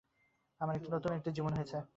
আমার এখন নতুন একটা জীবন হয়েছে।